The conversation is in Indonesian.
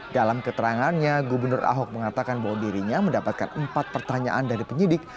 dalam keterangannya gubernur ahok mengatakan bahwa dirinya mendapatkan empat pertanyaan dari penyidik